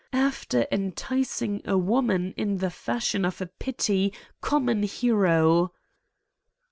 After enticing a woman in the fashion of a petty, common hero.